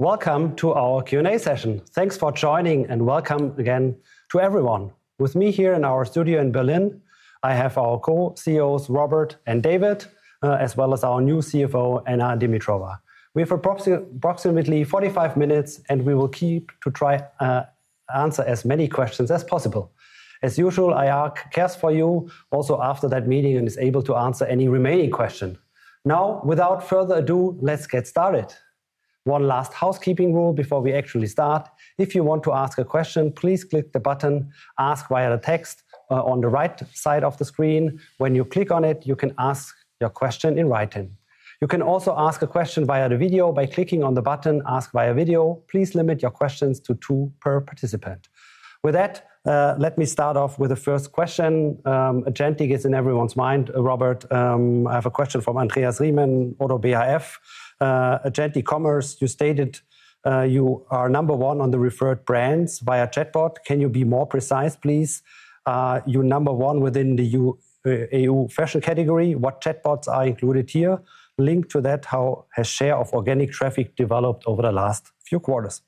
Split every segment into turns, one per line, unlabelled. Welcome to our Q&A session. Thanks for joining, and welcome again to everyone. With me here in our studio in Berlin, I have our co-CEOs, Robert and David, as well as our new CFO, Anna Dimitrova. We have approximately 45 minutes, and we will try to answer as many questions as possible. As usual, IR cares for you also after that meeting and is able to answer any remaining question. Now, without further ado, let's get started. One last housekeeping rule before we actually start. If you want to ask a question, please click the button Ask via Text on the right side of the screen. When you click on it, you can ask your question in writing. You can also ask a question via the video by clicking on the button Ask via Video. Please limit your questions to two per participant. With that, let me start off with the first question. Agentic is in everyone's mind. Robert, I have a question from Andreas Riemann, Oddo BHF.
Agentic commerce, you stated, you are number one on the referred brands via chatbot. Can you be more precise, please? You're number one within the EU fashion category. What chatbots are included here? Linked to that, how has share of organic traffic developed over the last few quarters?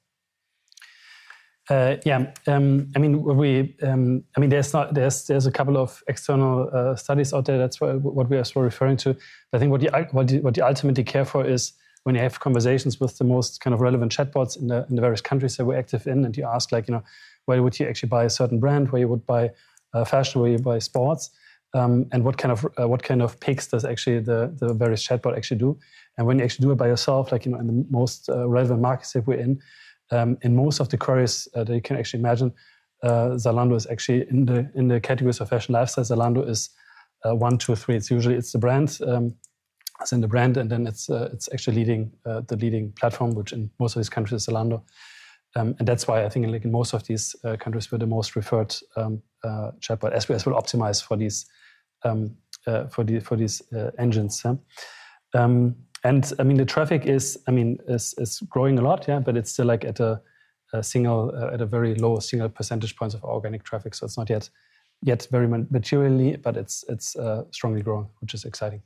Yeah. I mean, there's a couple of external studies out there. That's what we are sort of referring to. I think what you ultimately care for is when you have conversations with the most kind of relevant chatbots in the various countries that we're active in, and you ask like, you know, "Where would you actually buy a certain brand? Where you would buy fashion, where you buy sports, and what kind of picks does actually the various chatbot actually do? When you actually do it by yourself, like, you know, in the most relevant markets that we're in most of the queries that you can actually imagine, Zalando is actually in the categories of fashion lifestyle. Zalando is one, two, or three. It's usually it's the brand, so in the brand, and then it's actually the leading platform, which in most of these countries is Zalando. That's why I think like in most of these countries, we're the most referred chatbot as well optimized for these engines, yeah. I mean, the traffic is growing a lot, yeah, but it's still like at a very low single percentage points of organic traffic. It's not yet very materially, but it's strongly growing, which is exciting.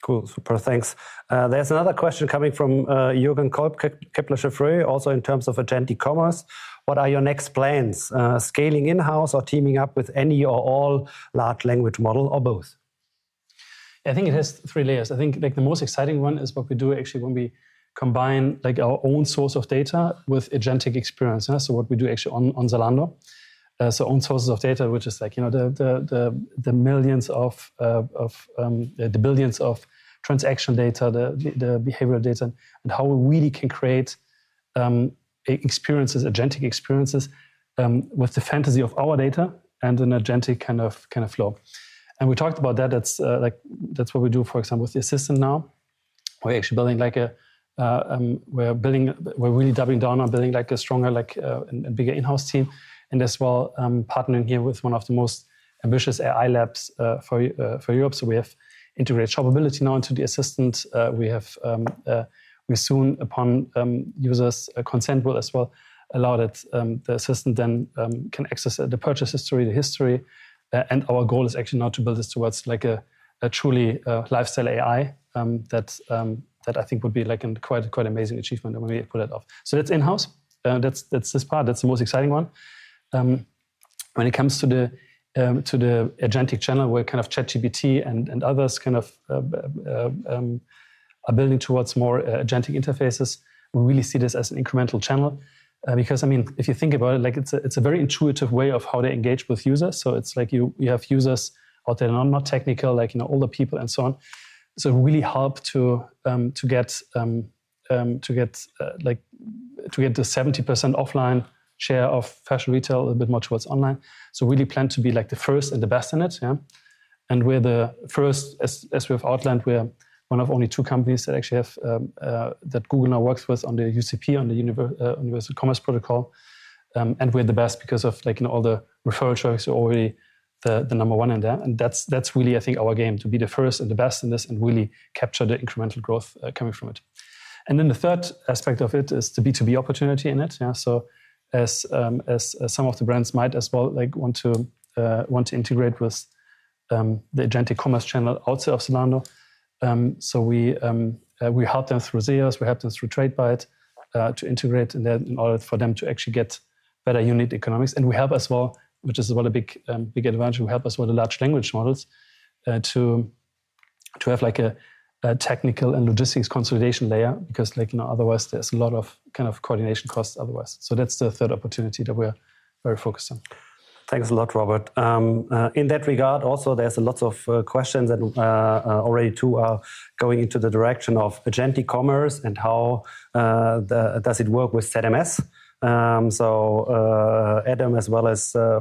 Cool. Super. Thanks. There's another question coming from Jürgen Kolb, Kepler Cheuvreux, also in terms of agentic commerce.
What are your next plans, scaling in-house or teaming up with any or all large language model or both?
I think it has three layers. I think like the most exciting one is what we do actually when we combine like our own source of data with agentic experience. What we do actually on Zalando. Own sources of data, which is like, you know, the billions of transaction data, the behavioral data, and how we really can create experiences, agentic experiences, with the fanciness of our data and an agentic kind of flow. We talked about that. That's like what we do, for example, with the assistant now. We're actually building. We're really doubling down on building like a stronger, like, a bigger in-house team, and as well, partnering here with one of the most ambitious AI labs, for Europe. We have integrated shoppability now into the assistant. We soon, upon users' consent, will as well allow that the assistant then can access the purchase history. Our goal is actually now to build this towards like a truly lifestyle AI, that I think would be like quite amazing achievement when we pull it off. That's in-house. That's this part. That's the most exciting one. When it comes to the agentic channel, where kind of ChatGPT and others kind of are building towards more agentic interfaces, we really see this as an incremental channel. Because I mean, if you think about it, like it's a very intuitive way of how they engage with users. It's like you have users or they're not more technical, like, you know, older people and so on. It really help to get like the 70% offline share of fashion retail a bit more towards online. We really plan to be like the first and the best in it, yeah. We're the first, as we have outlined, we are one of only two companies that actually have that Google now works with on the UCP, the Universal Commerce Protocol. We're the best because of like, you know, all the referral choices are already the number one in there. That's really, I think, our game, to be the first and the best in this and really capture the incremental growth coming from it. Then the third aspect of it is the B2B opportunity in it, yeah. As some of the brands might as well, like, want to integrate with the agentic commerce channel outside of Zalando. We help them through ZEOS, we help them through Tradebyte, to integrate in order for them to actually get better unit economics. We help as well, which is a big advantage, we help the large language models to have like a technical and logistics consolidation layer because, like, you know, otherwise there's a lot of kind of coordination costs otherwise. That's the third opportunity that we are very focused on.
Thanks a lot, Robert. In that regard, also, there's lots of questions and already two are going into the direction of agentic commerce and how does it work with ZMS. Adam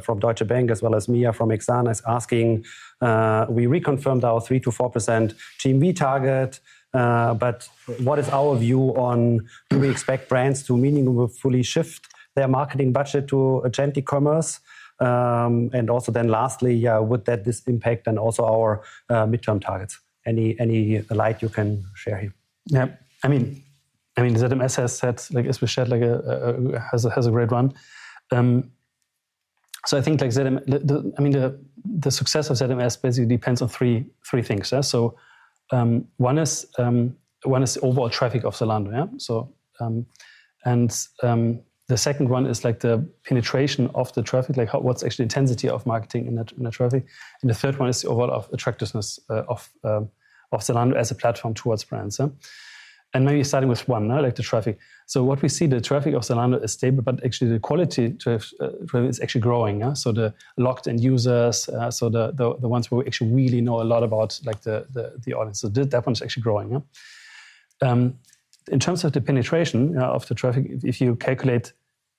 from Deutsche Bank, as well as Mia from Exane, is asking, we reconfirmed our 3%-4% GMV target, but what is our view on do we expect brands to meaningfully shift their marketing budget to agentic commerce? Also then lastly, would this impact then also our midterm targets? Any light you can share here?
Yeah. I mean, ZMS has had a great run. I think the success of ZMS basically depends on three things, yeah? One is overall traffic of Zalando, yeah? The second one is like the penetration of the traffic, like what's the actual intensity of marketing in the traffic. The third one is the overall attractiveness of Zalando as a platform towards brands, yeah? Maybe starting with one, like the traffic. What we see, the traffic of Zalando is stable, but actually the quality traffic is actually growing, yeah? The logged-in users, the ones who actually really know a lot about like the audience. That one's actually growing, yeah? In terms of the penetration of the traffic, if you calculate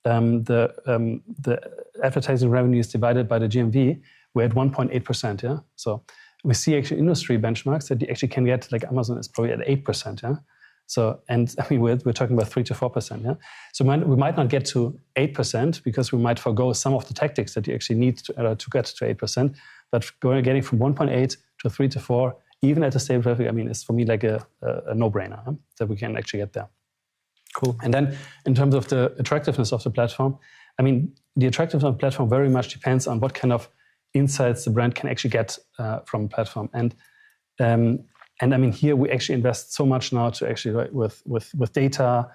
the advertising revenues divided by the GMV, we're at 1.8%, yeah? We see actually industry benchmarks that you actually can get to, like Amazon is probably at 8%, yeah? I mean, we're talking about 3%-4%, yeah? We might not get to 8% because we might forgo some of the tactics that you actually need to get to 8%. Getting from 1.8% to 3%-4%, even at the same traffic, I mean, is for me like a no-brainer, huh? That we can actually get there. Cool. Then in terms of the attractiveness of the platform, I mean, the attractiveness of the platform very much depends on what kind of insights the brand can actually get from platform. I mean, here we actually invest so much now to actually like with data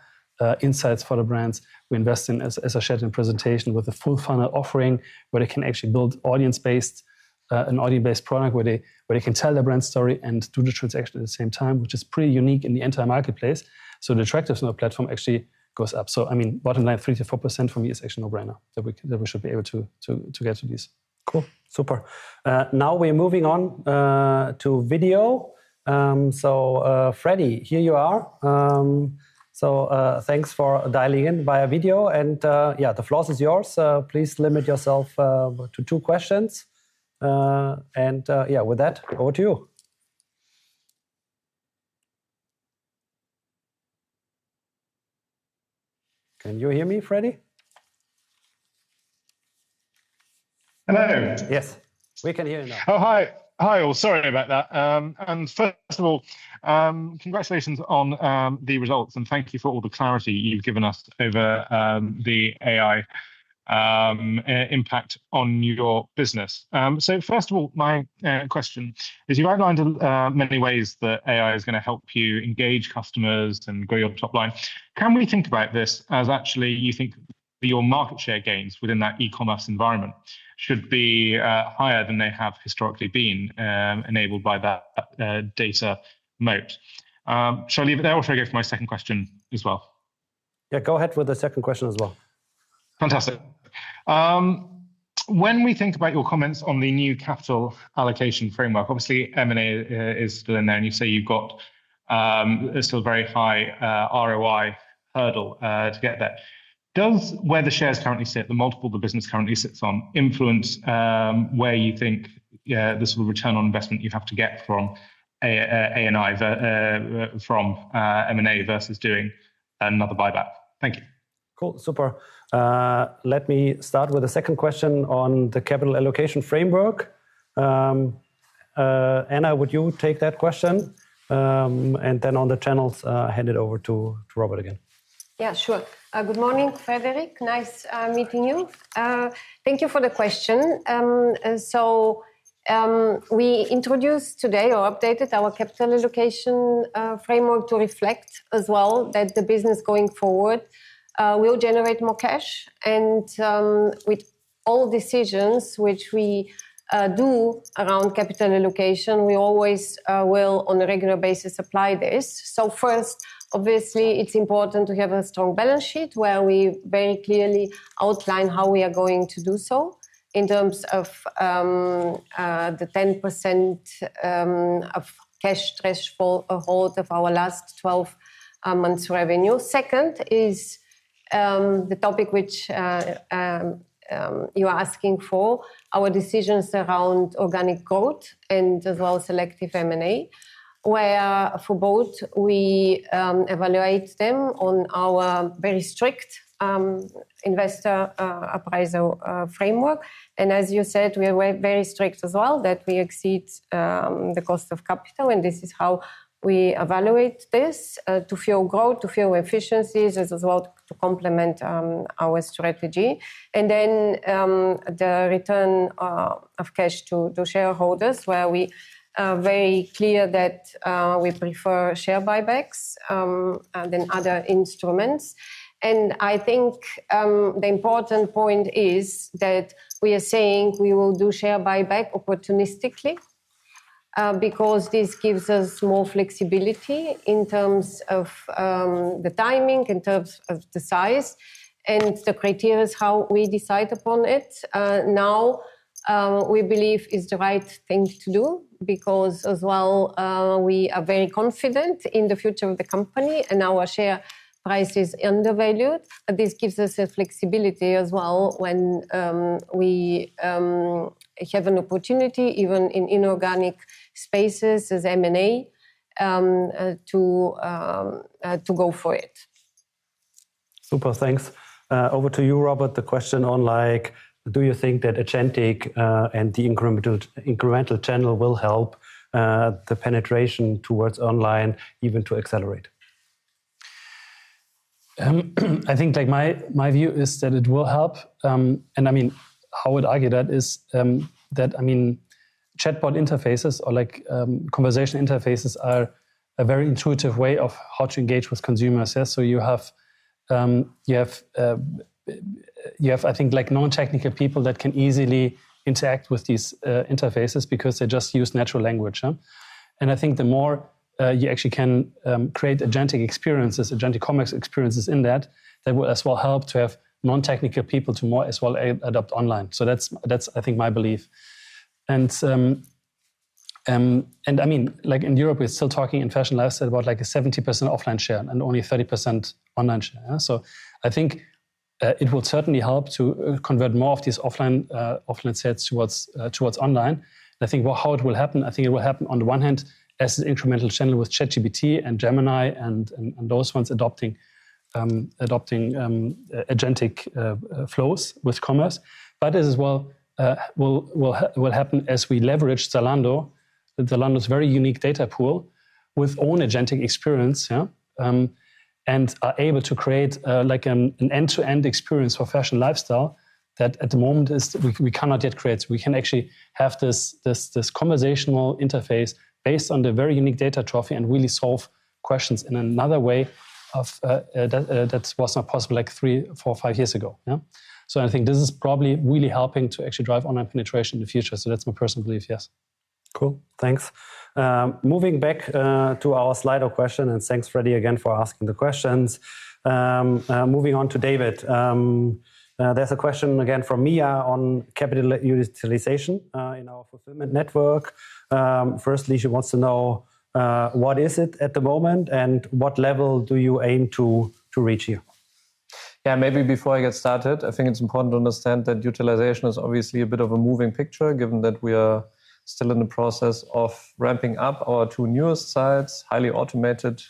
insights for the brands. We invest in, as I shared in presentation, with a full funnel offering where they can actually build audience-based product where they can tell their brand story and do the transaction at the same time, which is pretty unique in the entire marketplace. The attractiveness of the platform actually goes up. I mean, bottom line, 3%-4% for me is actually a no-brainer that we should be able to get to this.
Cool. Super. Now we're moving on to video. Freddy, here you are. Thanks for dialing in via video. Yeah, the floor is yours. Please limit yourself to two questions. Yeah, with that, over to you. Can you hear me, Freddy?
Hello.
Yes. We can hear you now.
Oh, hi. Hi, all. Sorry about that. First of all, congratulations on the results, and thank you for all the clarity you've given us over the AI impact on your business. First of all, my question is, you outlined many ways that AI is gonna help you engage customers and grow your top line. Can we think about this as actually you think your market share gains within that e-commerce environment should be higher than they have historically been, enabled by that data moat? Shall I leave it there or shall I go for my second question as well?
Yeah, go ahead for the second question as well.
Fantastic. When we think about your comments on the new capital allocation framework, obviously M&A is still in there, and you say you've got still a very high ROI hurdle to get there. Does where the shares currently sit, the multiple the business currently sits on, influence where you think the sort of return on investment you have to get from M&A versus doing another buyback? Thank you.
Cool. Super. Let me start with the second question on the capital allocation framework. Anna, would you take that question? On the channels, hand it over to Robert again.
Yeah, sure. Good morning, Frederick. Nice meeting you. Thank you for the question. We introduced today or updated our capital allocation framework to reflect as well that the business going forward will generate more cash. With all decisions which we do around capital allocation, we always will on a regular basis apply this. First, obviously, it's important to have a strong balance sheet where we very clearly outline how we are going to do so in terms of the 10% of cash threshold of our last 12 months' revenue. Second is the topic which you are asking for, our decisions around organic growth and as well selective M&A, where for both we evaluate them on our very strict investor appraisal framework. As you said, we are very strict as well that we exceed the cost of capital, and this is how we evaluate this to fuel growth, to fuel efficiencies, as well to complement our strategy. The return of cash to shareholders, where we are very clear that we prefer share buybacks than other instruments. I think the important point is that we are saying we will do share buyback opportunistically because this gives us more flexibility in terms of the timing, in terms of the size, and the criteria is how we decide upon it. Now we believe it's the right thing to do because as well we are very confident in the future of the company and our share price is undervalued. This gives us a flexibility as well when we have an opportunity, even in inorganic spaces as M&A, to go for it.
Super. Thanks. Over to you, Robert. The question on, like, do you think that agentic and the incremental channel will help the penetration towards online even to accelerate?
I think like my view is that it will help. I mean, how I'd argue that is that I mean, chatbot interfaces or like conversation interfaces are a very intuitive way of how to engage with consumers, yes. So you have, I think, like non-technical people that can easily interact with these interfaces because they just use natural language. I think the more you actually can create agentic experiences, agentic commerce experiences in that that will as well help to have non-technical people to more as well adopt online. So that's I think my belief. I mean, like in Europe we're still talking in fashion lifestyle about like a 70% offline share and only 30% online share, yeah. I think it will certainly help to convert more of these offline sets towards online. I think how it will happen. I think it will happen on the one hand as an incremental channel with ChatGPT and Gemini and those ones adopting agentic flows with commerce. As well, it will happen as we leverage Zalando, with Zalando's very unique data pool, with own agentic experience, yeah, and are able to create like an end-to-end experience for fashion lifestyle that at the moment we cannot yet create. We can actually have this conversational interface based on the very unique data trove and really solve questions in another way that was not possible like three, four, five years ago, yeah. I think this is probably really helping to actually drive online penetration in the future. That's my personal belief, yes.
Cool, thanks. Moving back to our slide of question, and thanks Freddy again for asking the questions. Moving on to David. There's a question again from Mia on capital utilization in our fulfillment network. Firstly she wants to know what is it at the moment, and what level do you aim to reach here?
Yeah. Maybe before I get started, I think it's important to understand that utilization is obviously a bit of a moving picture, given that we are still in the process of ramping up our two newest sites, highly automated,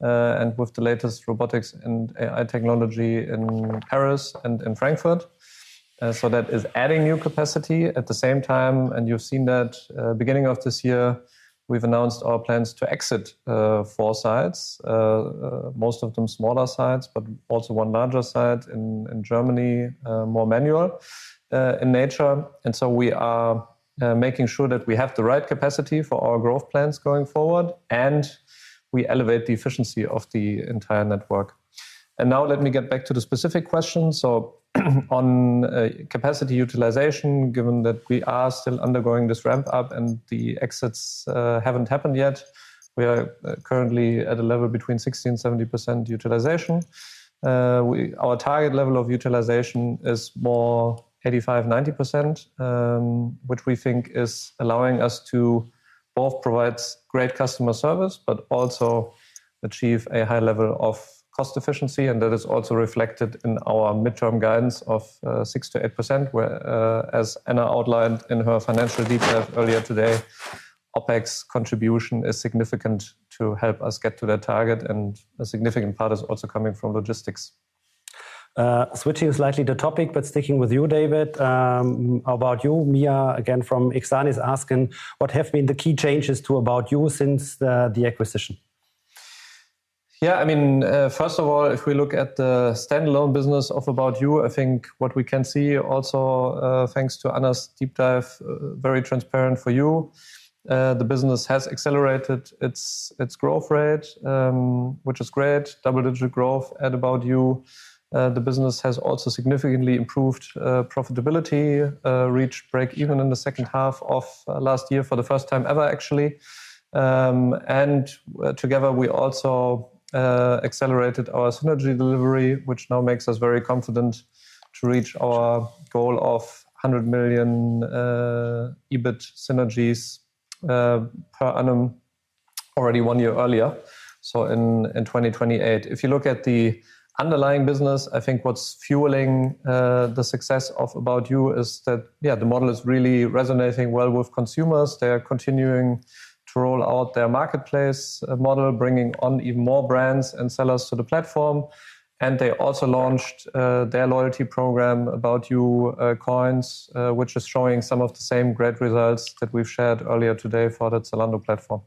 and with the latest robotics and AI technology in Paris and in Frankfurt. So that is adding new capacity. At the same time, and you've seen that, beginning of this year, we've announced our plans to exit four sites. Most of them smaller sites, but also one larger site in Germany, more manual, in nature. We are making sure that we have the right capacity for our growth plans going forward, and we elevate the efficiency of the entire network. Now let me get back to the specific question. Capacity utilization, given that we are still undergoing this ramp up and the exits haven't happened yet, we are currently at a level between 60%-70% utilization. Our target level of utilization is more 85%-90%, which we think is allowing us to both provide great customer service, but also achieve a high level of cost efficiency, and that is also reflected in our mid-term guidance of 6%-8%, where, as Anna outlined in her financial deep dive earlier today, OpEx contribution is significant to help us get to that target, and a significant part is also coming from logistics.
Switching slightly the topic, but sticking with you, David, About You. Mia, again from Exane, is asking what have been the key changes to About You since the acquisition.
Yeah. I mean, first of all, if we look at the standalone business of About You, I think what we can see also, thanks to Anna's deep dive, very transparent for you. The business has accelerated its growth rate, which is great. Double-digit growth at About You. The business has also significantly improved profitability, reached breakeven in the second half of last year for the first time ever actually. Together we also accelerated our synergy delivery, which now makes us very confident to reach our goal of 100 million EBIT synergies per annum already one year earlier, so in 2028. If you look at the underlying business, I think what's fueling the success of About You is that, yeah, the model is really resonating well with consumers. They are continuing to roll out their marketplace model, bringing on even more brands and sellers to the platform, and they also launched their loyalty program, About You Coins, which is showing some of the same great results that we've shared earlier today for the Zalando platform.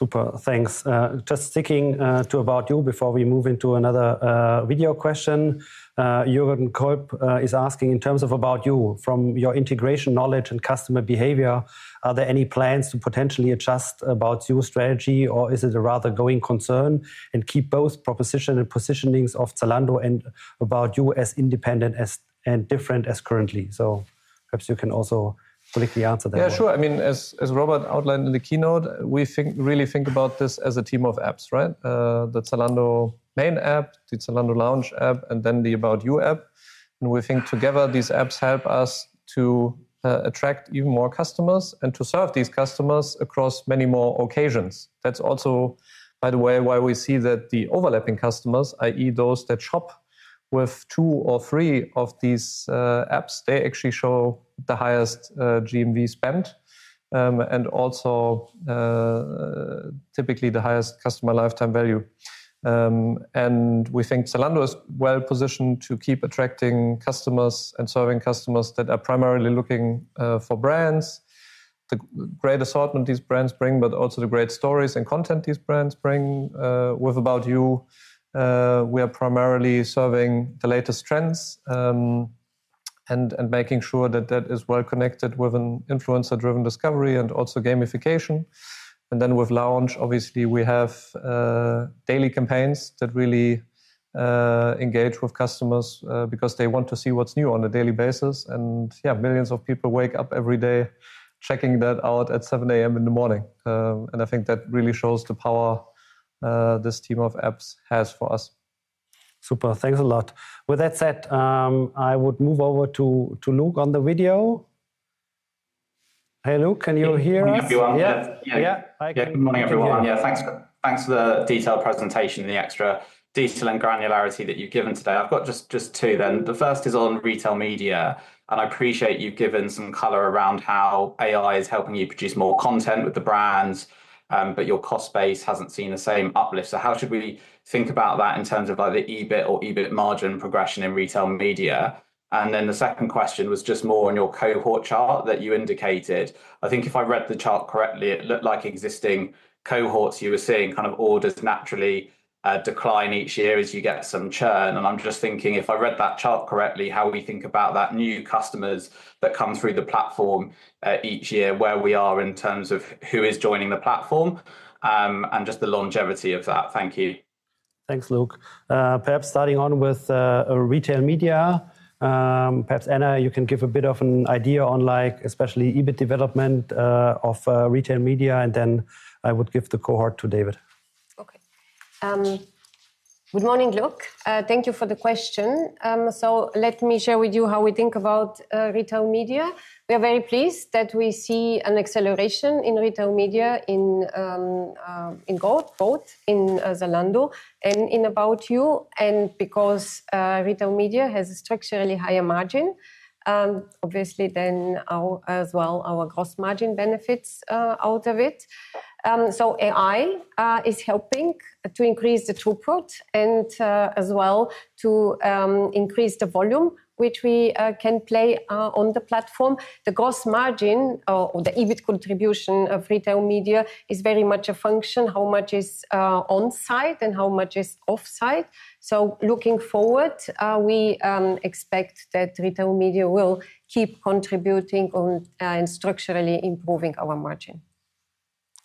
Super. Thanks. Just sticking to About You before we move into another video question. Jürgen Kolb is asking, in terms of About You, from your integration knowledge and customer behavior, are there any plans to potentially adjust About You strategy, or is it a rather going concern and keep both proposition and positionings of Zalando and About You as independent as, and different as currently? Perhaps you can also briefly answer that one.
Yeah, sure. I mean, as Robert outlined in the keynote, we think, really think about this as a team of apps, right? The Zalando main app, the Zalando Lounge app, and then the About You app. We think together these apps help us to attract even more customers and to serve these customers across many more occasions. That's also, by the way, why we see that the overlapping customers, i.e. those that shop with two or three of these apps, they actually show the highest GMV spent, and also typically the highest customer lifetime value. We think Zalando is well positioned to keep attracting customers and serving customers that are primarily looking for brands. The great assortment these brands bring, but also the great stories and content these brands bring, with About You. We are primarily serving the latest trends and making sure that that is well connected with an influencer-driven discovery and also gamification. With Lounge, obviously, we have daily campaigns that really engage with customers because they want to see what's new on a daily basis. Yeah, millions of people wake up every day checking that out at 7:00 A.M. in the morning. I think that really shows the power this team of apps has for us.
Super. Thanks a lot. With that said, I would move over to Luke on the video. Hey, Luke, can you hear us?
Good morning, everyone.
Yeah. Hi. Good morning.
Yeah. Good morning, everyone. Yeah, thanks for the detailed presentation and the extra detail and granularity that you've given today. I've got just two then. The first is on retail media, and I appreciate you've given some color around how AI is helping you produce more content with the brands, but your cost base hasn't seen the same uplift. So how should we think about that in terms of either EBIT or EBIT margin progression in retail media? And then the second question was just more on your cohort chart that you indicated. I think if I read the chart correctly, it looked like existing cohorts you were seeing kind of orders naturally decline each year as you get some churn. I'm just thinking, if I read that chart correctly, how we think about that new customers that come through the platform, each year, where we are in terms of who is joining the platform, and just the longevity of that. Thank you.
Thanks, Luke. Perhaps starting off with retail media. Perhaps, Anna, you can give a bit of an idea on like especially EBIT development of retail media, and then I would give the floor to David.
Okay. Good morning, Luke. Thank you for the question. Let me share with you how we think about retail media. We are very pleased that we see an acceleration in retail media in both Zalando and About You. Because retail media has a structurally higher margin, obviously then our as well our gross margin benefits out of it. AI is helping to increase the throughput and as well to increase the volume which we can play on the platform. The gross margin or the EBIT contribution of retail media is very much a function how much is on-site and how much is off-site. Looking forward, we expect that retail media will keep contributing on and structurally improving our margin.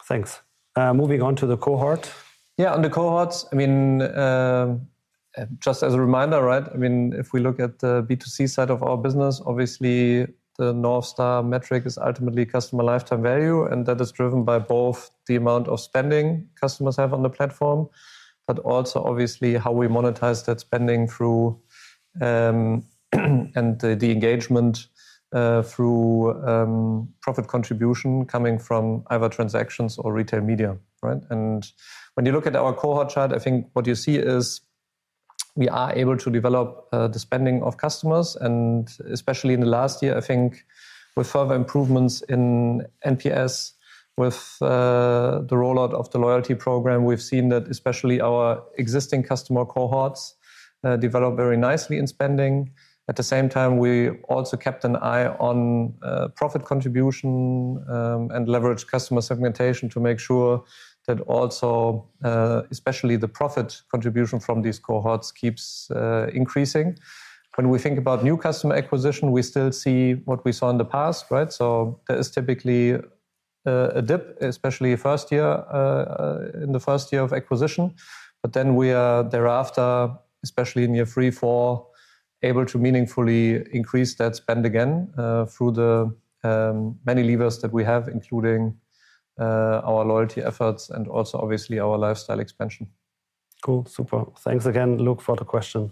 Thanks. Moving on to the cohort.
Yeah, on the cohorts, I mean, just as a reminder, right? I mean, if we look at the B2C side of our business, obviously the North Star metric is ultimately customer lifetime value, and that is driven by both the amount of spending customers have on the platform, but also obviously how we monetize that spending through and the engagement through profit contribution coming from either transactions or retail media, right? When you look at our cohort chart, I think what you see is we are able to develop the spending of customers, and especially in the last year, I think with further improvements in NPS, with the rollout of the loyalty program, we've seen that especially our existing customer cohorts develop very nicely in spending. At the same time, we also kept an eye on profit contribution and leveraged customer segmentation to make sure that also especially the profit contribution from these cohorts keeps increasing. When we think about new customer acquisition, we still see what we saw in the past, right? There is typically a dip, especially first year, in the first year of acquisition, but then we are thereafter, especially in year three, four, able to meaningfully increase that spend again through the many levers that we have, including our loyalty efforts and also obviously our lifestyle expansion.
Cool. Super. Thanks again, Luke, for the question.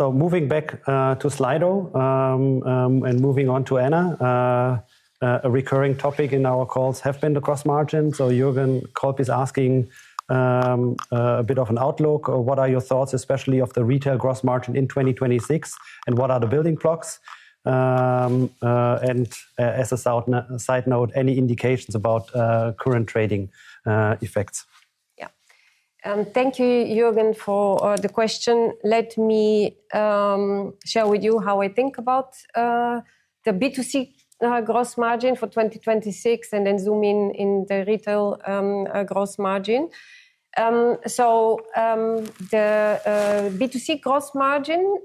Moving back to Slido and moving on to Anna. A recurring topic in our calls have been the gross margin. Jürgen Kolb is asking a bit of an outlook or what are your thoughts, especially of the retail gross margin in 2026, and what are the building blocks? As a side note, any indications about current trading effects?
Yeah. Thank you, Jürgen, for the question. Let me share with you how I think about the B2C gross margin for 2026 and then zoom in on the retail gross margin. The B2C gross margin,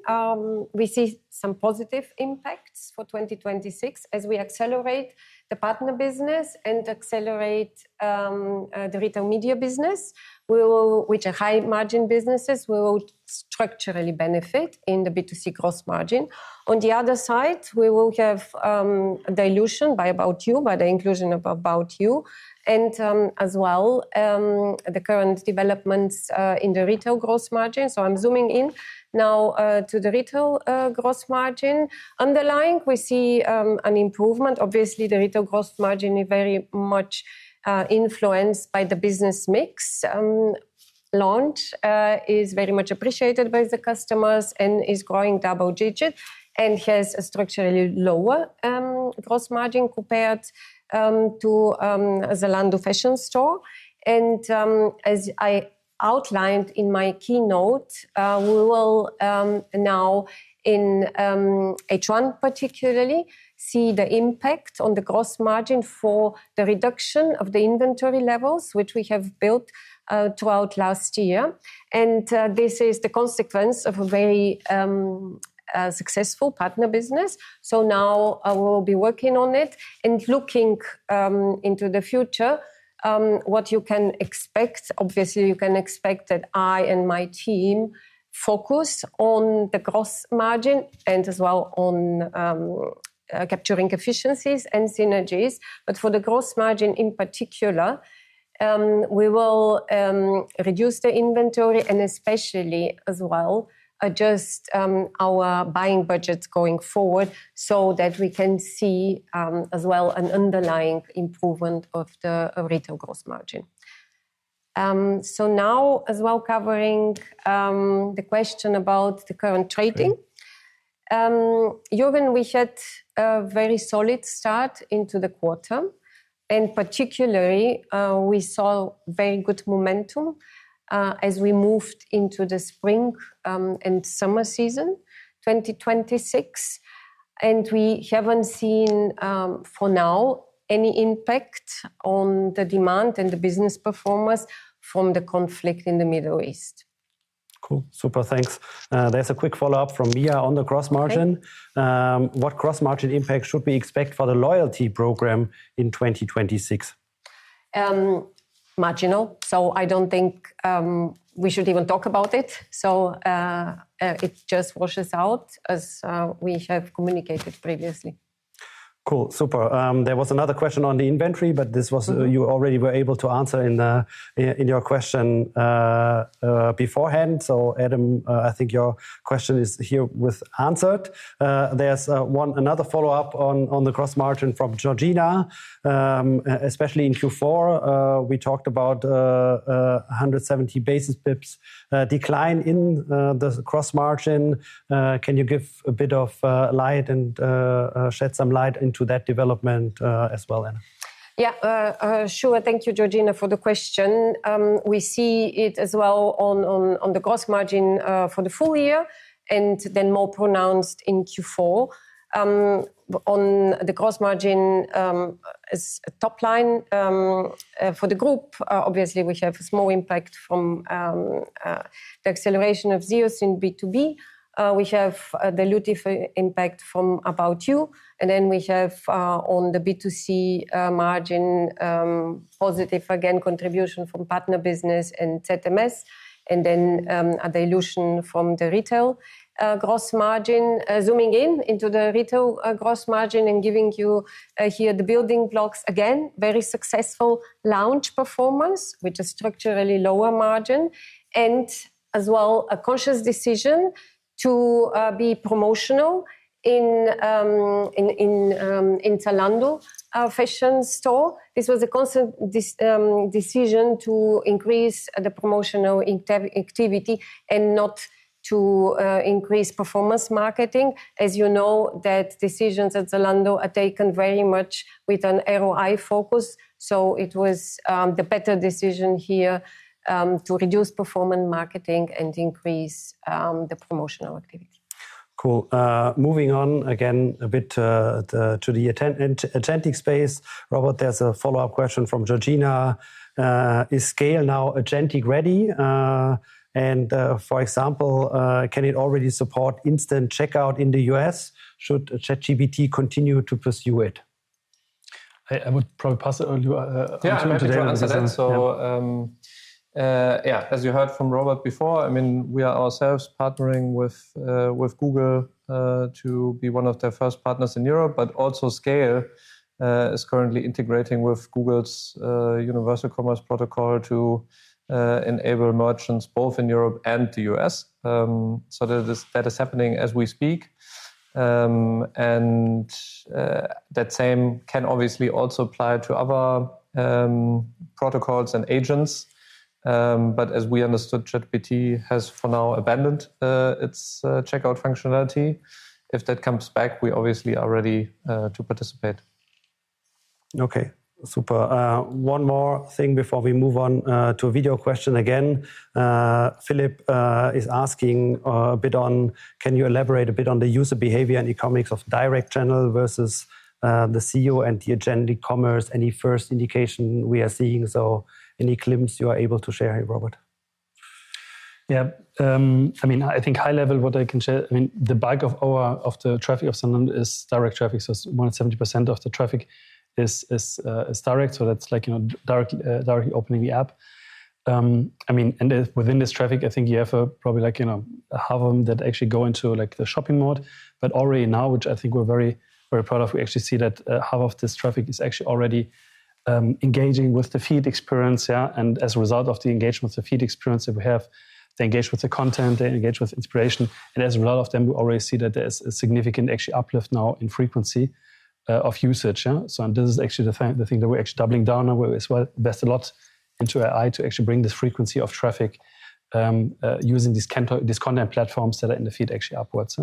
we see some positive impacts for 2026 as we accelerate the partner business and accelerate the retail media business. We will, which are high-margin businesses, structurally benefit in the B2C gross margin. On the other side, we will have dilution by About You, by the inclusion of About You, and as well the current developments in the retail gross margin. I'm zooming in now to the retail gross margin. Underlying, we see an improvement. Obviously, the retail gross margin is very much influenced by the business mix. Lounge is very much appreciated by the customers and is growing double-digit and has a structurally lower gross margin compared to Zalando fashion store. As I outlined in my keynote, we will now in H1 particularly see the impact on the gross margin for the reduction of the inventory levels, which we have built throughout last year. This is the consequence of a very successful partner business. Now I will be working on it. Looking into the future, what you can expect, obviously, you can expect that I and my team focus on the gross margin and as well on capturing efficiencies and synergies. For the gross margin in particular, we will reduce the inventory and especially as well adjust our buying budgets going forward so that we can see as well an underlying improvement of the retail gross margin. Now as well covering the question about the current trading.
Mm-hmm.
Jürgen, we had a very solid start into the quarter, and particularly, we saw very good momentum, as we moved into the spring, and summer season 2026. We haven't seen, for now, any impact on the demand and the business performance from the conflict in the Middle East.
Cool. Super. Thanks. There's a quick follow-up from Mia on the gross margin.
Okay.
What gross margin impact should we expect for the loyalty program in 2026?
Marginal. I don't think we should even talk about it. It just washes out as we have communicated previously.
Cool. Super. There was another question on the inventory, but this was.
Mm-hmm.
You already were able to answer in your question beforehand. Adam, I think your question is herewith answered. There's another follow-up on the gross margin from Georgina. Especially in Q4, we talked about 170 basis points decline in the gross margin. Can you give a bit of light and shed some light into that development as well then?
Yeah. Sure. Thank you, Georgina, for the question. We see it as well on the gross margin for the full year, and then more pronounced in Q4. On the gross margin as a top line for the group, obviously, we have a small impact from the acceleration of ZEOS in B2B. We have a dilutive impact from About You, and then we have on the B2C margin positive, again, contribution from partner business and ZMS, and then a dilution from the retail gross margin. Zooming in into the retail gross margin and giving you here the building blocks, again, very successful Lounge performance, which is structurally lower margin, and as well a conscious decision to be promotional in Zalando, our fashion store. This was a decision to increase the promotional activity and not to increase performance marketing. As you know, those decisions at Zalando are taken very much with an ROI focus. It was the better decision here to reduce performance marketing and increase the promotional activity.
Cool. Moving on again a bit to the agentic space. Robert, there's a follow-up question from Georgina. Is SCAYLE now agentic ready? For example, can it already support instant checkout in the U.S.? Should ChatGPT continue to pursue it?
I would probably pass it on to
Yeah, I'm happy to answer that.
Udo today.
Yeah. As you heard from Robert before, I mean, we are ourselves partnering with Google to be one of their first partners in Europe, but also SCAYLE is currently integrating with Google's Universal Commerce Protocol to enable merchants both in Europe and the U.S. That is happening as we speak. That same can obviously also apply to other protocols and agents. As we understood, ChatGPT has, for now, abandoned its checkout functionality. If that comes back, we obviously are ready to participate.
Okay. Super. One more thing before we move on to a video question again. Philip is asking a bit on, can you elaborate a bit on the user behavior and economics of direct channel versus the ZEOS and the agent e-commerce? Any first indication we are seeing? Any glimpse you are able to share here, Robert?
Yeah. I mean, I think high level, what I can share, I mean, the bulk of the traffic of Zalando is direct traffic. It's more than 70% of the traffic is direct. That's like, you know, directly opening the app. I mean, within this traffic, I think you have, probably like, you know, half of them that actually go into, like, the shopping mode. Already now, which I think we're very, very proud of, we actually see that, half of this traffic is actually already engaging with the feed experience, yeah. As a result of the engagement, the feed experience that we have, they engage with the content, they engage with inspiration. As a lot of them, we already see that there's a significant actually uplift now in frequency of usage. This is actually the thing that we're actually doubling down on. We invest a lot into AI to actually bring this frequency of traffic using these content platforms that are in the feed actually upwards.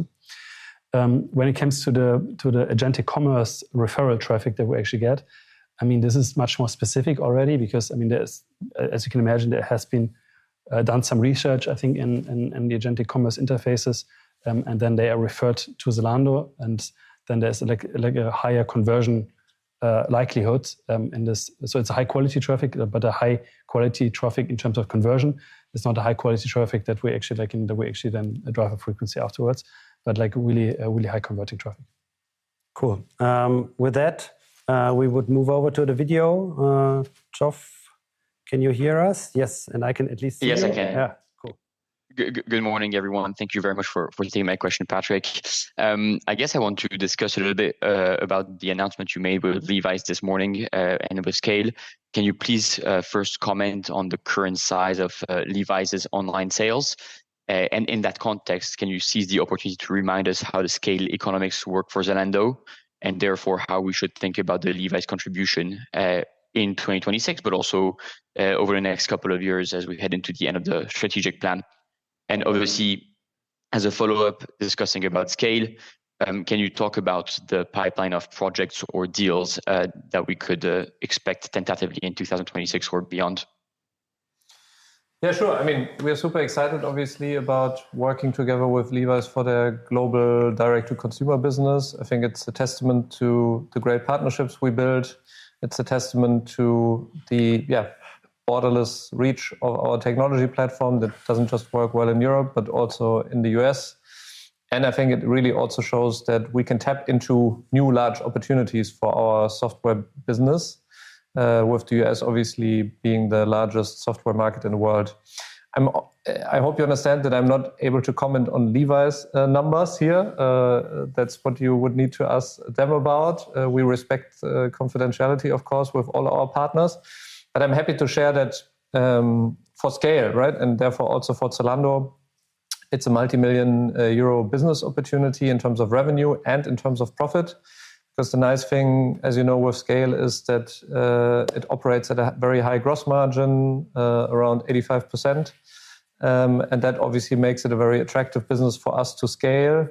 When it comes to the agentic commerce referral traffic that we actually get, I mean, this is much more specific already because, I mean, there's. As you can imagine, there has been done some research, I think, in the agentic commerce interfaces, and then they are referred to Zalando, and then there's like a higher conversion likelihood in this. It's high-quality traffic, but a high-quality traffic in terms of conversion. It's not a high-quality traffic that we actually like and that we actually then drive a frequency afterwards, but like really, a really high converting traffic.
Cool. With that, we would move over to the video. Yashraj Rajani, can you hear us? Yes. I can at least see you.
Yes, I can. Yeah. Cool. Good morning, everyone. Thank you very much for taking my question, Patrick. I guess I want to discuss a little bit about the announcement you made with Levi's this morning, and with SCAYLE. Can you please first comment on the current size of Levi's online sales? In that context, can you seize the opportunity to remind us how the SCAYLE economics work for Zalando, and therefore, how we should think about the Levi's contribution in 2026, but also over the next couple of years as we head into the end of the strategic plan? As a follow-up discussing about scale, can you talk about the pipeline of projects or deals that we could expect tentatively in 2026 or beyond?
Yeah, sure. I mean, we are super excited obviously about working together with Levi's for their global direct-to-consumer business. I think it's a testament to the great partnerships we build. It's a testament to the, yeah, borderless reach of our technology platform that doesn't just work well in Europe, but also in the U.S. I think it really also shows that we can tap into new large opportunities for our software business with the U.S. obviously being the largest software market in the world. I hope you understand that I'm not able to comment on Levi's numbers here. That's what you would need to ask them about. We respect confidentiality of course, with all our partners. I'm happy to share that, for scale, right? Therefore also for Zalando, it's a multimillion EUR business opportunity in terms of revenue and in terms of profit. 'Cause the nice thing, as you know, with scale is that, it operates at a very high gross margin, around 85%. That obviously makes it a very attractive business for us to scale,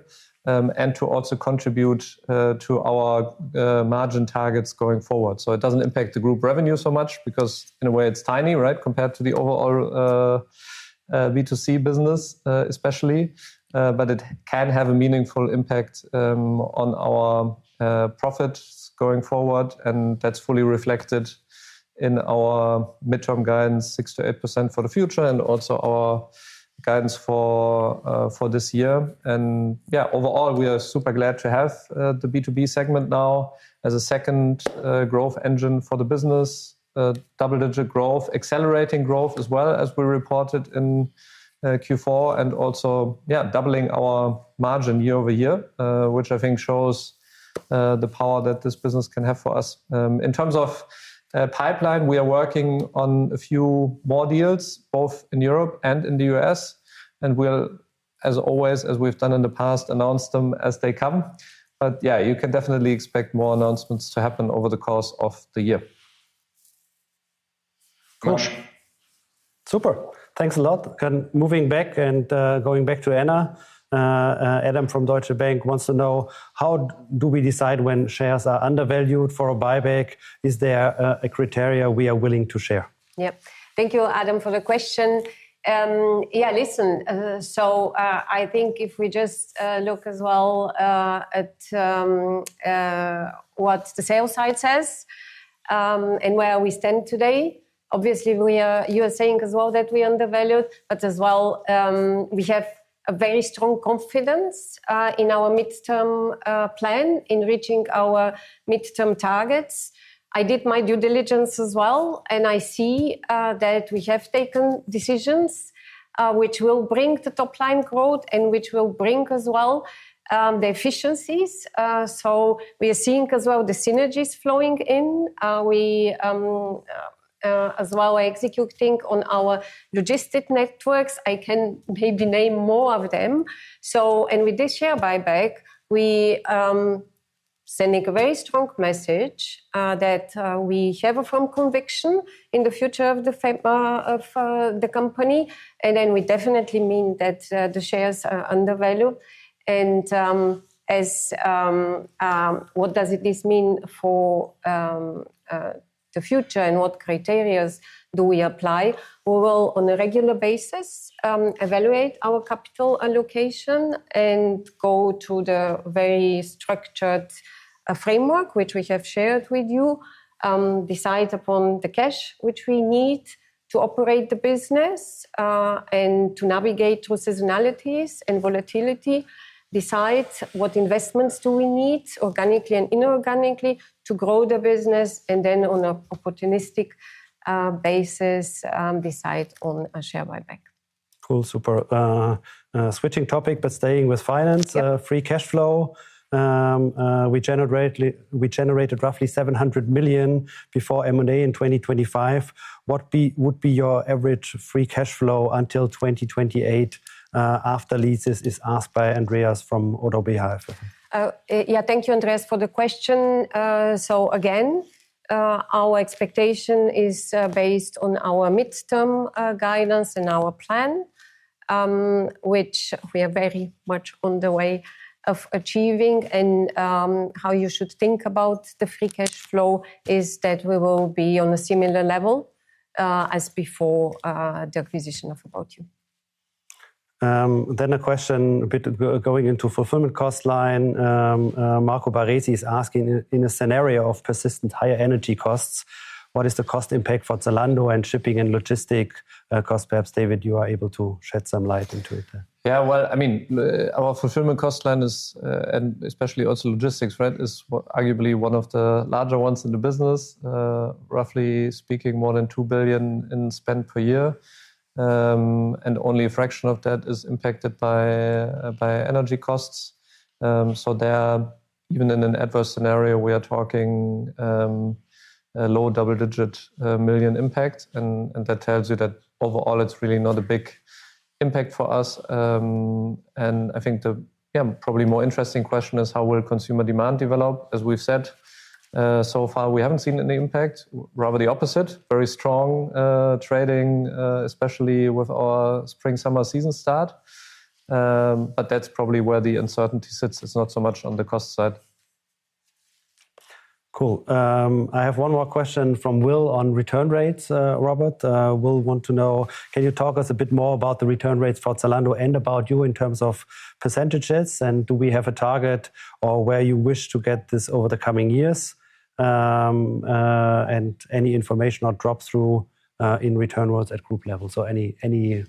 and to also contribute, to our margin targets going forward. It doesn't impact the group revenue so much because in a way it's tiny, right, compared to the overall B2C business, especially. It can have a meaningful impact on our profits going forward, and that's fully reflected in our midterm guidance, 6%-8% for the future and also our guidance for this year. Yeah, overall, we are super glad to have the B2B segment now as a second growth engine for the business. Double-digit growth, accelerating growth as well as we reported in Q4 and also, yeah, doubling our margin year over year, which I think shows the power that this business can have for us. In terms of pipeline, we are working on a few more deals, both in Europe and in the U.S. and we'll, as always, as we've done in the past, announce them as they come. Yeah, you can definitely expect more announcements to happen over the course of the year.
Cool.
Super. Thanks a lot. Going back to Anna, Adam from Deutsche Bank wants to know how do we decide when shares are undervalued for a buyback? Is there a criteria we are willing to share?
Yep. Thank you, Adam, for the question. Yeah, listen, I think if we just look as well at what the sales side says, and where we stand today, obviously you are saying as well that we undervalue, but as well, we have a very strong confidence in our midterm plan in reaching our midterm targets. I did my due diligence as well, and I see that we have taken decisions which will bring the top line growth and which will bring as well the efficiencies. We are seeing as well the synergies flowing in. We as well executing on our logistics networks. I can maybe name more of them. With this share buyback, we sending a very strong message that we have a firm conviction in the future of the company. We definitely mean that the shares are undervalued. What does this mean for the future and what criteria do we apply? We will, on a regular basis, evaluate our capital allocation and go to the very structured framework which we have shared with you, decide upon the cash which we need to operate the business and to navigate through seasonalities and volatility, decide what investments do we need organically and inorganically to grow the business, and on a opportunistic basis, decide on a share buyback.
Cool. Super. Switching topic, but staying with finance.
Yep.
Free cash flow. We generated roughly 700 million before M&A in 2025. What would be your average free cash flow until 2028, after leases is asked by Andreas Riemann from ODDO BHF.
Yeah, thank you, Andreas, for the question. So again, our expectation is based on our midterm guidance and our plan, which we are very much on the way of achieving. How you should think about the free cash flow is that we will be on a similar level as before the acquisition of About You.
A question a bit going into fulfillment cost line. Marco Baresi is asking, in a scenario of persistent higher energy costs, what is the cost impact for Zalando and shipping and logistics cost? Perhaps, David, you are able to shed some light into it there. Yeah. Well, I mean, our fulfillment cost line is, and especially also logistics, right, is arguably one of the larger ones in the business. Roughly speaking, more than 2 billion in spend per year. Only a fraction of that is impacted by energy costs. There, even in an adverse scenario, we are talking a low double-digit million impact. That tells you that overall it's really not a big impact for us. I think the probably more interesting question is how will consumer demand develop? As we've said, so far we haven't seen any impact. Rather the opposite. Very strong trading, especially with our spring summer season start. That's probably where the uncertainty sits. It's not so much on the cost side.
Cool. I have one more question from Will on return rates, Robert. Will want to know, can you talk us a bit more about the return rates for Zalando and About You in terms of percentages? And do we have a target or where you wish to get this over the coming years? And any information or drop-through in return rates at group level? Any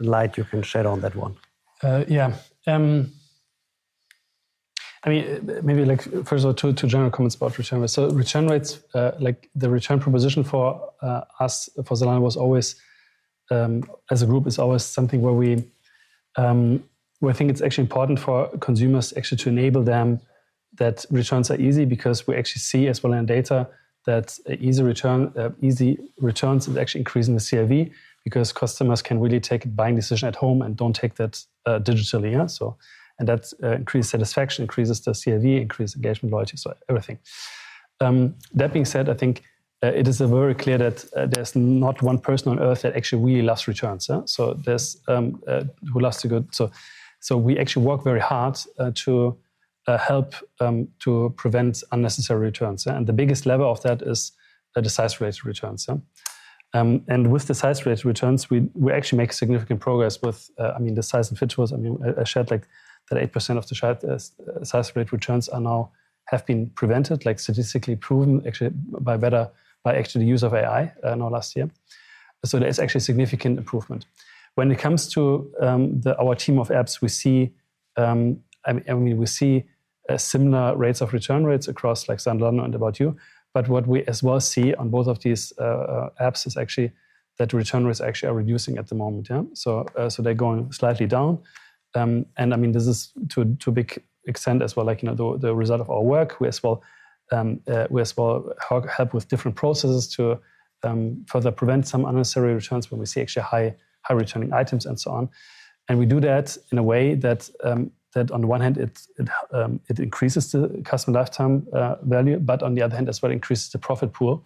light you can shed on that one.
I mean, maybe like first of all, two general comments about return rates. Return rates, like the return proposition for us, for Zalando was always, as a group, is always something where we, where I think it's actually important for consumers actually to enable them that returns are easy because we actually see as well in data that easy return, easy returns is actually increasing the CLV because customers can really take a buying decision at home and don't take that digitally. That's increased satisfaction, increases the CLV, increase engagement, loyalty, everything. That being said, I think it is very clear that there's not one person on earth that actually really loves returns. There's who loves a good. We actually work very hard to help to prevent unnecessary returns. The biggest lever of that is the size-related returns. With the size-related returns, we actually make significant progress with. I mean, I shared like that 8% of the shared size-related returns now have been prevented, like statistically proven actually by, actually, the use of AI in our last year. There's actually significant improvement. When it comes to the two apps, we see, I mean, we see similar return rates across like Zalando and About You. What we as well see on both of these apps is actually that return rates actually are reducing at the moment. They're going slightly down. I mean, this is to a big extent as well, like, you know, the result of our work. We as well help with different processes to further prevent some unnecessary returns when we see actually high returning items and so on. We do that in a way that on one hand it increases the customer lifetime value, but on the other hand, as well increases the profit pool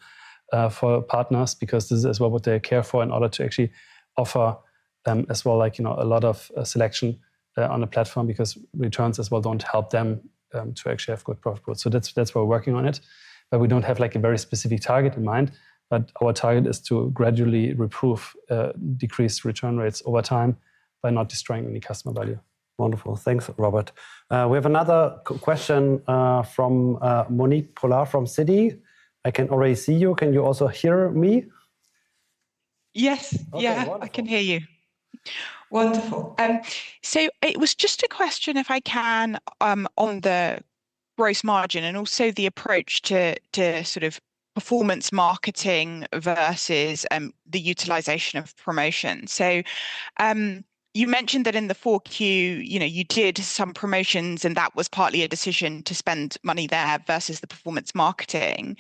for partners because this is as well what they care for in order to actually offer, as well, like, you know, a lot of selection on the platform because returns as well don't help them to actually have good profit pool. That's why we're working on it. We don't have like a very specific target in mind, but our target is to gradually decrease return rates over time by not destroying any customer value.
Wonderful. Thanks, Robert. We have another question from Monique Pollard from Citi. I can already see you. Can you also hear me?
Yes. Yeah.
Okay, wonderful.
I can hear you. Wonderful. It was just a question, if I can, on the gross margin and also the approach to sort of performance marketing versus the utilization of promotion. You mentioned that in the Q4, you know, you did some promotions, and that was partly a decision to spend money there versus the performance marketing.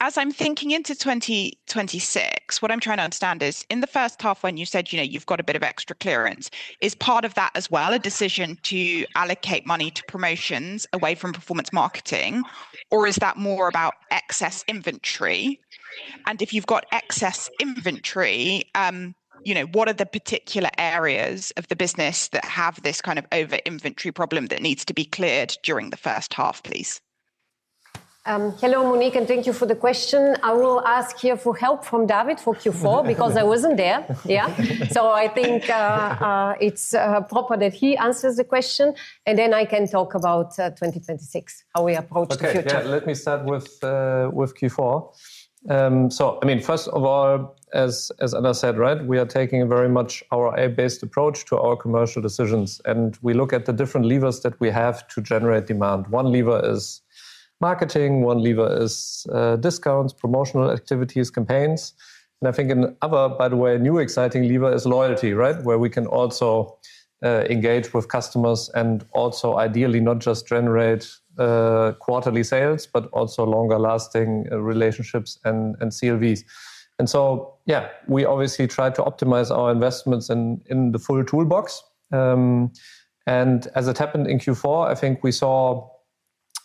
As I'm thinking into 2026, what I'm trying to understand is, in the first half when you said, you know, you've got a bit of extra clearance, is part of that as well a decision to allocate money to promotions away from performance marketing, or is that more about excess inventory? If you've got excess inventory, you know, what are the particular areas of the business that have this kind of over inventory problem that needs to be cleared during the first half, please?
Hello, Monique, and thank you for the question. I will ask here for help from David for Q4 because I wasn't there. Yeah. I think it's proper that he answers the question, and then I can talk about 2026, how we approach the future.
Okay.
Yeah. Let me start with Q4. I mean, first of all, as Anna said, right, we are taking very much our AI-based approach to our commercial decisions, and we look at the different levers that we have to generate demand. One lever is marketing, one lever is discounts, promotional activities, campaigns. I think another, by the way, a new exciting lever is loyalty, right? Where we can also engage with customers and also ideally not just generate quarterly sales, but also longer lasting relationships and CLVs. Yeah, we obviously try to optimize our investments in the full toolbox. As it happened in Q4, I think we saw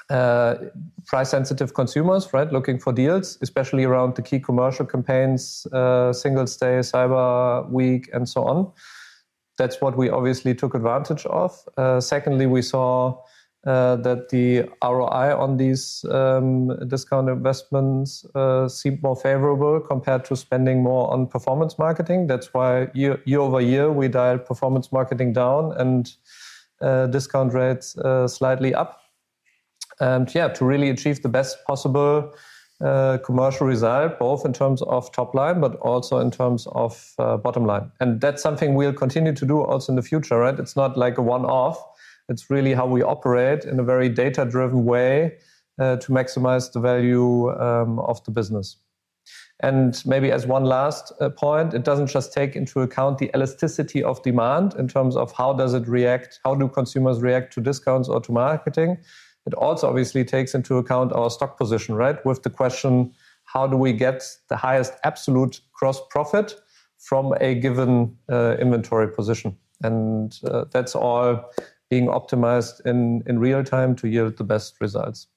price sensitive consumers, right, looking for deals, especially around the key commercial campaigns, Singles' Day, Cyber Week, and so on. That's what we obviously took advantage of. Secondly, we saw that the ROI on these discount investments seemed more favorable compared to spending more on performance marketing. That's why year-over-year, we dialed performance marketing down and discount rates slightly up. Yeah, to really achieve the best possible commercial result, both in terms of top line, but also in terms of bottom line. That's something we'll continue to do also in the future, right? It's not like a one-off. It's really how we operate in a very data-driven way to maximize the value of the business. Maybe as one last point, it doesn't just take into account the elasticity of demand in terms of how does it react, how do consumers react to discounts or to marketing. It also obviously takes into account our stock position, right? With the question, how do we get the highest absolute gross profit from a given inventory position? That's all being optimized in real time to yield the best results.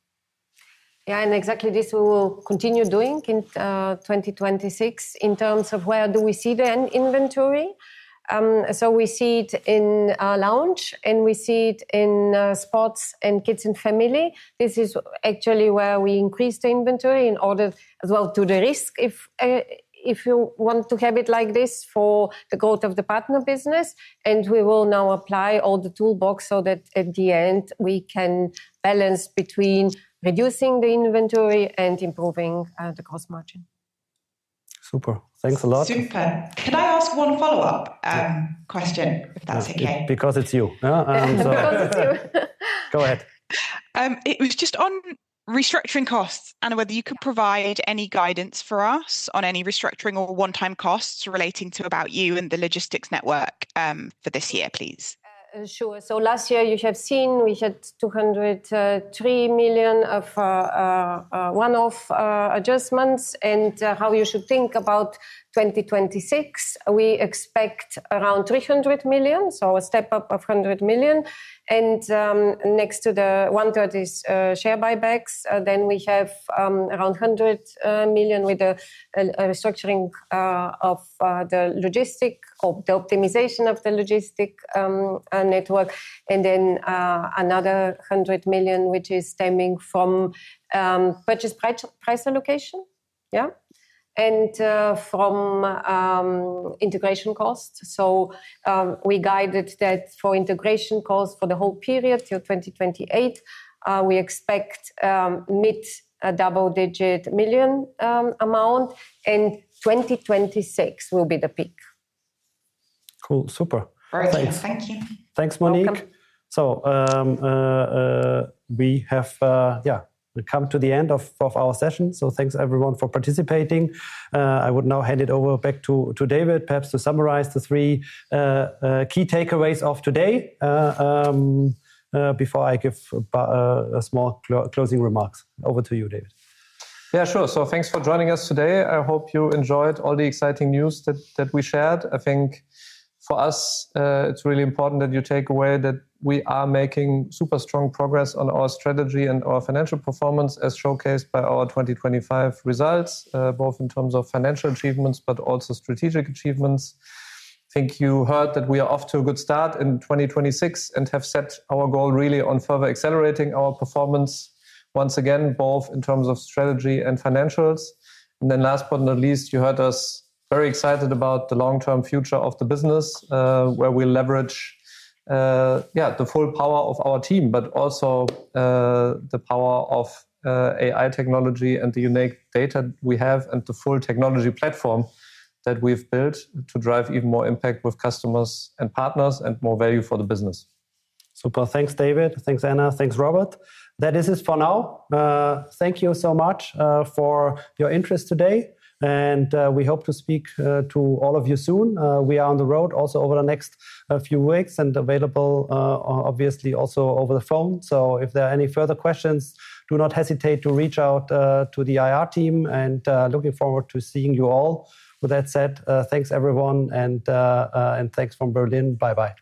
Yeah, exactly this we will continue doing in 2026 in terms of where do we see the inventory. We see it in our lounge, and we see it in sports and kids and family. This is actually where we increase the inventory in order as well to the risk if you want to have it like this for the growth of the partner business. We will now apply all the toolbox so that at the end, we can balance between reducing the inventory and improving the cost margin.
Super. Thanks a lot.
Super. Can I ask one follow-up, question, if that's okay?
Yeah. Because it's you, huh?
Because it's you.
Go ahead.
It was just on restructuring costs, Anna Dimitrova, whether you could provide any guidance for us on any restructuring or one-time costs relating to About You and the logistics network, for this year, please?
Sure. Last year you have seen we had 203 million of one-off adjustments, and how you should think about 2026. We expect around 300 million, so a step up of 100 million. Next to the one-third is share buybacks, then we have around 100 million with the restructuring of the logistics or the optimization of the logistics network, and then another 100 million, which is stemming from purchase price allocation and from integration costs. We guided that for integration costs for the whole period till 2028. We expect mid double-digit million amount and 2026 will be the peak.
Cool. Super.
Very good. Thank you.
Thanks, Monique.
Welcome.
We have, yeah, we come to the end of our session, so thanks everyone for participating. I would now hand it over back to David, perhaps to summarize the three key takeaways of today, before I give a small closing remarks. Over to you, David.
Yeah, sure. Thanks for joining us today. I hope you enjoyed all the exciting news that we shared. I think for us, it's really important that you take away that we are making super strong progress on our strategy and our financial performance as showcased by our 2025 results, both in terms of financial achievements but also strategic achievements. I think you heard that we are off to a good start in 2026 and have set our goal really on further accelerating our performance once again, both in terms of strategy and financials. Last but not least, you heard us very excited about the long-term future of the business, where we leverage the full power of our team, but also the power of AI technology and the unique data we have and the full technology platform that we've built to drive even more impact with customers and partners and more value for the business.
Super. Thanks, David. Thanks, Anna. Thanks, Robert. That is it for now. Thank you so much for your interest today, and we hope to speak to all of you soon. We are on the road also over the next few weeks and available obviously also over the phone. So if there are any further questions, do not hesitate to reach out to the IR team and looking forward to seeing you all. With that said, thanks everyone, and thanks from Berlin. Bye-bye.